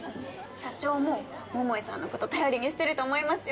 社長も桃井さんのこと頼りにしてると思いますよ